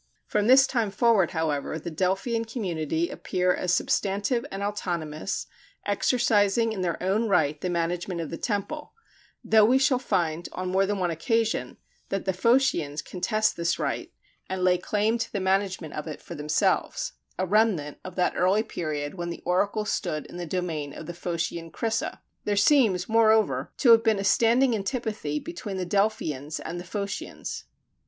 From this time forward, however, the Delphian community appear as substantive and autonomous, exercising in their own right the management of the temple; though we shall find, on more than one occasion, that the Phocians contest this right, and lay claim to the management of it for themselves a remnant of that early period when the oracle stood in the domain of the Phocian Crissa. There seems, moreover, to have been a standing antipathy between the Delphians and the Phocians.